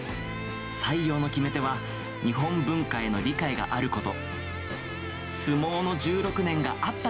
採用の決め手は、日本文化への理解があること。